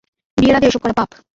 বিয়ের আগে এসব করা পাপ।